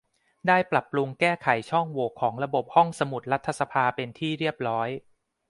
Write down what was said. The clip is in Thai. ได้ปรับปรุงแก้ไขช่องโหว่ของระบบห้องสมุดรัฐสภาเป็นที่เรียบร้อย